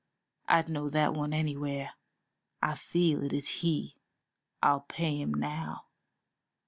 I'd know that one anywhere; I feel it is he. I'll pay him now.